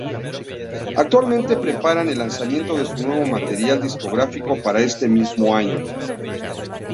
Actualmente preparan el lanzamiento de su nuevo material discográfico para este mismo año.